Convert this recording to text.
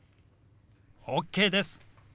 ＯＫです！